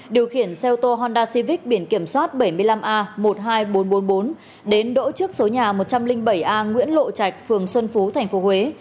điều khiển xe ô tô hondasivic biển kiểm soát bảy mươi năm a một mươi hai nghìn bốn trăm bốn mươi bốn đến đỗ trước số nhà một trăm linh bảy a nguyễn lộ trạch phường xuân phú tp huế